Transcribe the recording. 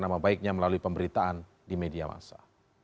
nama baiknya melalui pemberitaan di media masa